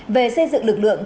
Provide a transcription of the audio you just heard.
về xây dựng lực lượng